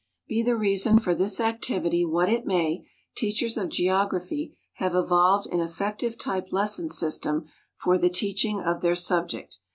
Be the reason for this activity what it may, teachers of geography have evolved an effective type lesson system for the teaching of their subject.